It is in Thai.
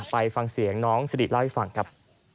ไปฟังเสียงน้องสิริเล่าให้ฟังครับ